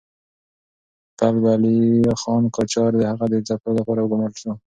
کلب علي خان قاجار د هغه د ځپلو لپاره وګمارل شو.